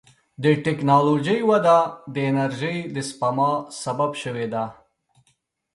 د ټکنالوجۍ وده د انرژۍ د سپما سبب شوې ده.